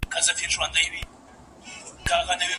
محیط مو ښکلی کړئ.